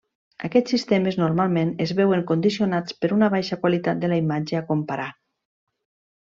Aquests sistemes normalment es veuen condicionats per una baixa qualitat de la imatge a comparar.